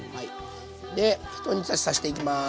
でひと煮立ちさしていきます。